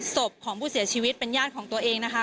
ศพของผู้เสียชีวิตเป็นญาติของตัวเองนะคะ